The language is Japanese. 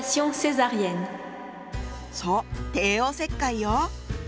そう帝王切開よ。